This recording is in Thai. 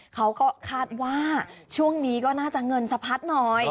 เขาก็คาดว่าช่วงนี้ก็น่าจะเงินสะพัดหน่อย